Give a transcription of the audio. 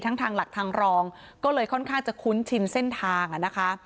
ทางหลักทางรองก็เลยค่อนข้างจะคุ้นชินเส้นทางอ่ะนะคะ